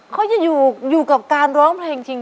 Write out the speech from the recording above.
เขาจะอยู่กับการร้องเพลงจริง